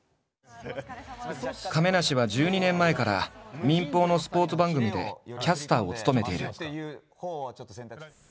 亀梨は１２年前から民放のスポーツ番組でキャスターを務めている。